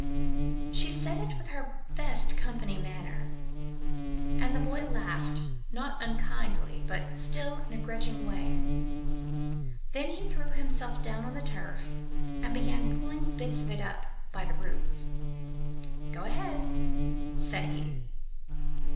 She said it with her best company manner, and the boy laughed, not unkindly, but still in a grudging way. Then he threw himself down on the turf and began pulling bits of it up by the roots. "Go ahead!" said he.